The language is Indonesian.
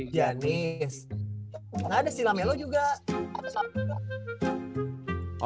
ada si lamelo juga